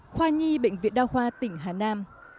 khoa nhi bệnh viện đa khoa tỉnh hà nam